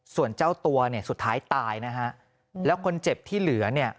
ส่วนเจ้าตัวเนี่ยสุดท้ายตายนะฮะแล้วคนเจ็บที่เหลือเนี่ย